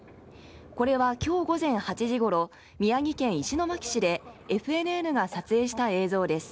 これは今日午前８時ごろ宮城県石巻市でＦＮＮが撮影した映像です。